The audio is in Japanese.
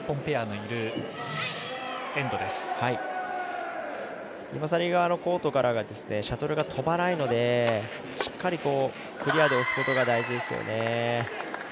ユマサリ側のコートからはシャトルが飛ばないのでしっかりクリアで押すことが大事ですよね。